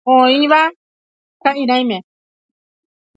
Oĩva ka'irãime.